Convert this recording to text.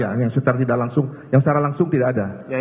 yang secara tidak langsung yang secara langsung tidak ada